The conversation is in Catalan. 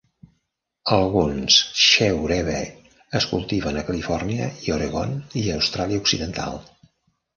Alguns Scheurebe es cultiven a Califòrnia i Oregon i Austràlia Occidental.